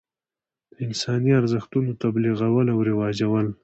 د انساني ارزښتونو تبلیغول او رواجول.